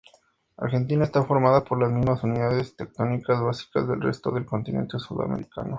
Argentina está formada por las mismas unidades tectónicas básicas del resto del continente sudamericano.